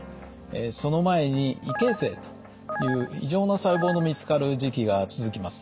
その前に異形成という異常な細胞の見つかる時期が続きます。